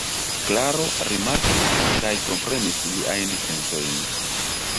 Klaro rimarkis kaj komprenis liajn sentojn.